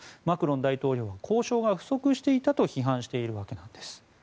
マクロン大統領は交渉が不足していたと批判しているわけです。